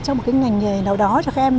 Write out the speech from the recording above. trong một cái ngành nào đó cho các em